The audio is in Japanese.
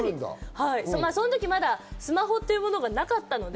その時まだスマホっていうものがなかったので、